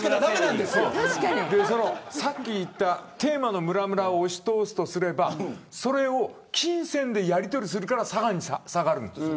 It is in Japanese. さっき言ったテーマのむらむらを押し通すとすればそれを金銭でやりとりするからさらに下がる。